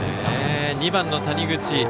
２番の谷口。